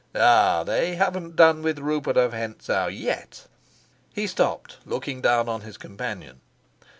Ah, they haven't done with Rupert of Hentzau yet!" He stopped, looking down on his companion.